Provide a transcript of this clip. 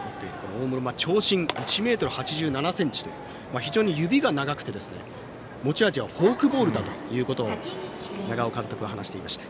大室は長身１ｍ８７ｃｍという非常に指が長くて持ち味はフォークボールだということを長尾監督は話していました。